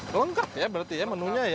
lengkap ya berarti ya menunya ya